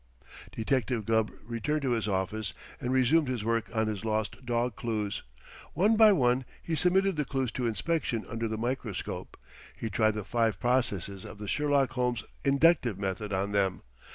Detective Gubb returned to his office and resumed his work on his lost dog clues. One by one he submitted the clues to inspection under the microscope. He tried the five processes of the Sherlock Holmes inductive method on them.